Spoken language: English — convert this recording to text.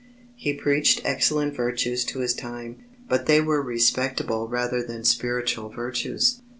He preached excellent virtues to his time; but they were respectable rather than spiritual virtues.